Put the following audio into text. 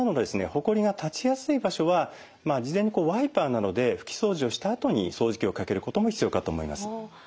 ホコリが立ちやすい場所は事前にワイパーなどで拭き掃除をしたあとに掃除機をかけることも必要かと思います。